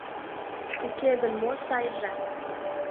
Уке гын мо сайже?